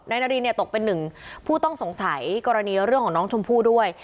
นารินเนี่ยตกเป็นหนึ่งผู้ต้องสงสัยกรณีเรื่องของน้องชมพู่ด้วย